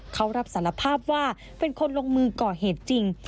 เขารับสารภาพว่าเป็นคนลงมือก่อเหตุจริง